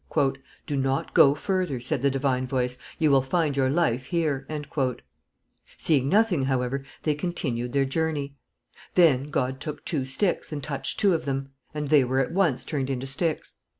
"Do not go further," said the divine voice, "you will find your life here." Seeing nothing, however, they continued their journey. Then God took two sticks and touched two of them, and they were at once turned into sticks.